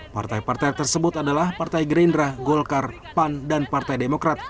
partai partai tersebut adalah partai gerindra golkar pan dan partai demokrat